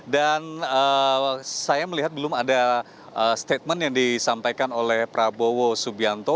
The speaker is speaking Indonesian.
dan saya melihat belum ada statement yang disampaikan oleh prabowo subianto